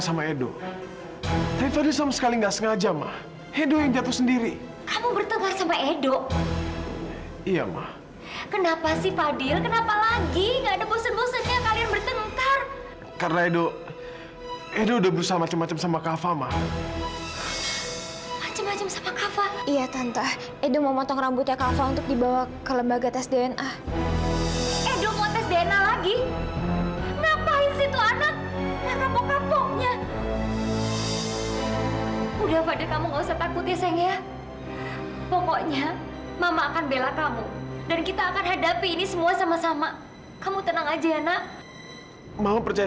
sampai jumpa di video selanjutnya